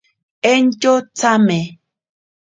Entyo tsame.